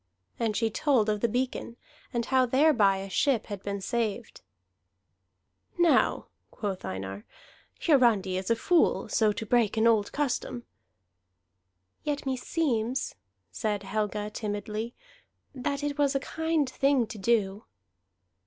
And she told of the beacon, and how thereby a ship had been saved. "Now," quoth Einar, "Hiarandi is a fool, so to break an old custom." "Yet meseems," said Helga timidly, "that it was a kind thing to do."